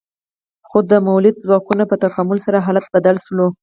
خو د مؤلده ځواکونو په تکامل سره حالت بدل شو.